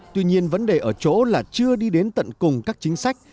tuy nhiên vấn đề ở chỗ là chưa đi đến tận cùng các chính sách